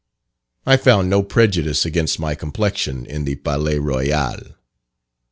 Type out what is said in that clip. I found no prejudice against my complexion in the Palais Royal.